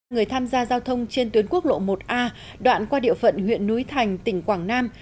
người tham gia giao thông trên tuyến quốc lộ một a đoạn qua địa phận huyện núi thành tỉnh quảng nam